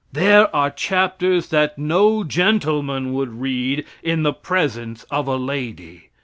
There are chapters that no gentleman would read in the presence of a lady.